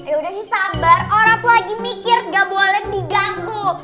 yaudah sih sabar orang tuh lagi mikir gak boleh digantung